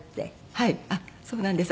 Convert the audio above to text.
はいそうなんです。